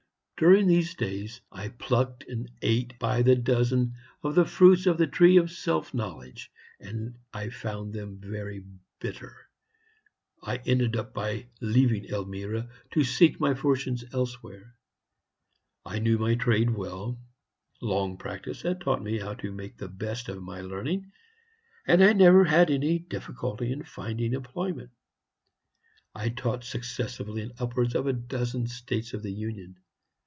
During those days I plucked and ate by the dozen of the fruits of the tree of self knowledge, and I found them very bitter. I ended by leaving Elmira, to seek my fortunes elsewhere. I knew my trade well. Long practice had taught me how to make the best of my learning, and I never had any difficulty in finding employment. I taught successively in upwards of a dozen States of the Union.